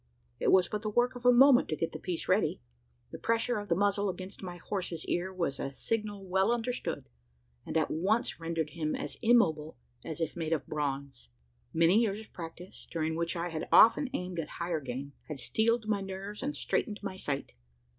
It was but the work of a moment to get the piece ready. The pressure of the muzzle against my horse's ear, was a signal well understood; and at once rendered him as immobile as if made of bronze. Many years of practice during which I had often aimed at higher game had steeled my nerves and straightened my sight.